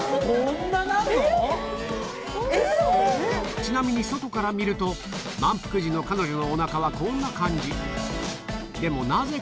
ちなみに外から見ると、満腹時の彼女のおなかはこんな感じ。